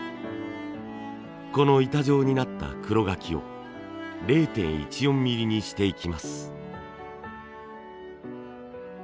この板状になった黒柿を０．１４ミリにしていきます。